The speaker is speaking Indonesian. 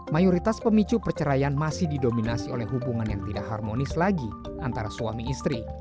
mayoritas pemicu perceraian masih didominasi oleh hubungan yang tidak harmonis lagi antara suami istri